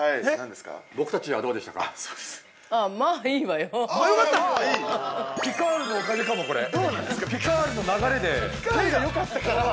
◆僕たちは、どうでしたか？